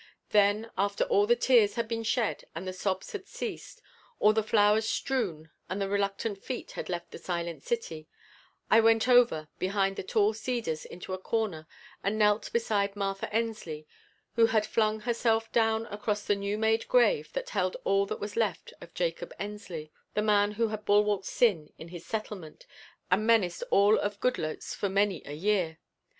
Then after all the tears had been shed and the sobs had ceased, all the flowers strewn and the reluctant feet had left the silent city, I went over behind the tall cedars into a corner and knelt beside Martha Ensley, who had flung herself down across the new made grave that held all that was left of Jacob Ensley, the man who had bulwarked sin in his Settlement and menaced all of Goodloets for many a year.